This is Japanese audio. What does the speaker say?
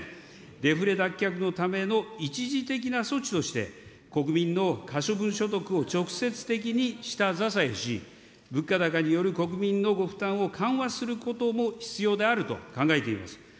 デフレ脱却のための一時的な措置として、国民の可処分所得を直接的に下支えし、物価高による国民のご負担を緩和することも必要であると考えています。